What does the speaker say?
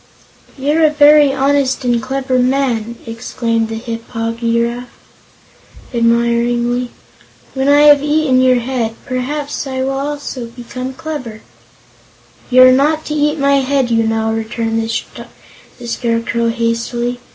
"You're a very honest and clever man!" exclaimed the Hip po gy raf, admiringly. "When I have eaten your head, perhaps I also will become clever." "You're not to eat my head, you know," returned the Scarecrow hastily.